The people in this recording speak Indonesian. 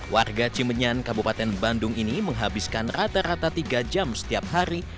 warga cimenyan kabupaten bandung ini menghabiskan rata rata tiga jam setiap hari